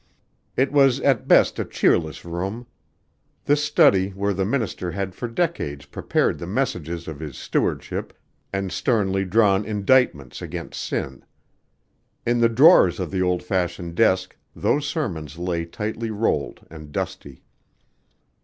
It was at best a cheerless room; this study where the minister had for decades prepared the messages of his stewardship and sternly drawn indictments against sin. In the drawers of the old fashioned desk those sermons lay tightly rolled and dusty.